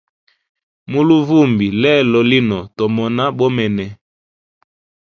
Mu luvumbi lelo lino tomona bomene.